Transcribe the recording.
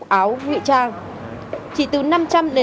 bộ quay lén bộ quay lén bộ quay lén bộ quay lén